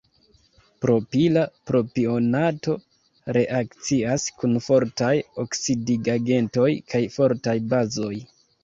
Propila propionato reakcias kun fortaj oksidigagentoj kaj fortaj bazoj.